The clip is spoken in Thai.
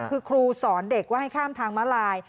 คือครูสอนเด็กว่าให้ข้ามทางมาลาย